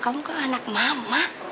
kamu kan anak mama